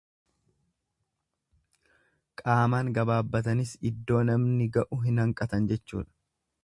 Qaamaan gabaabbatanis iddoo namni ga'u hin hanqatan jechuudha.